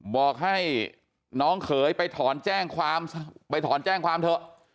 บอกให้น้องเขยไปถอนแจ้งความไปถอนแจ้งความเถอะ